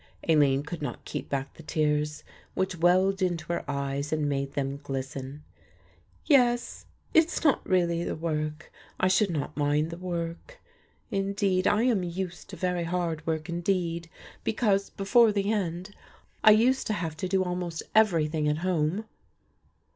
Aline could not keep back the tears, which welled into her eyes and made them glisten. "Yes, it is not really the work, I should not mind the work. Indeed I am used to very hard work indeed; because, before the end, I used to have to do almost everything at home."